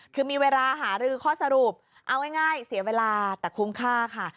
คือมีเวลาหารือข้อสรุปเอาง่ายเสียเวลาแต่คุ้มค่าค่ะ